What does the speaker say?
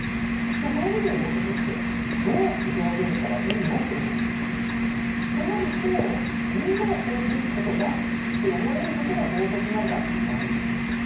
じゃあその時の道徳ってどうやって表現したらいいの？という事なんですよ。となるとみんながこうすべき事だって思える事が道徳なんだって言うしかないんですよね。